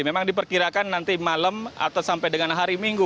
memang diperkirakan nanti malam atau sampai dengan hari minggu